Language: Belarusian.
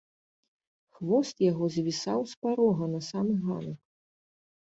Хвост яго звісаў з парога на самы ганак.